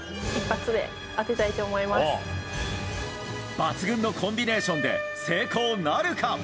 抜群のコンビネーションで成功なるか。